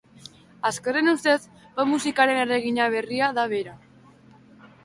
Askoren ustez pop musikaren erregina berria da bera.